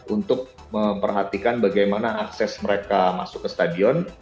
untuk memperhatikan bagaimana akses mereka masuk ke stadion